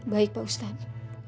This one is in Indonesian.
baik pak ustaz